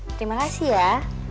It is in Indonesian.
terima kasih ya